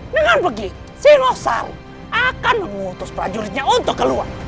dengan begitu cenosar akan memutus prajuritnya untuk keluar